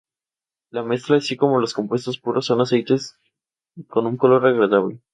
La mezcla, así como los compuestos puros, son aceites con un olor agradable.